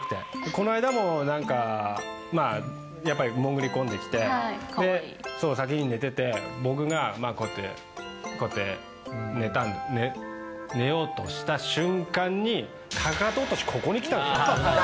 この間もなんか、やっぱり潜り込んできて、その先に寝てて、僕が、まあこうやって、こうやって、寝たんですね、寝ようとした瞬間に、かかと落とし、ここに来たんですよ。